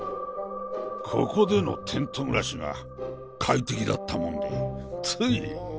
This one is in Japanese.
ここでのテント暮らしが快適だったもんでつい。